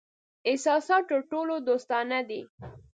احساسات تر ټولو دوستانه دي.